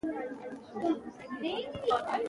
زده کړه نجونو ته د پور اخیستلو شرایط ښيي.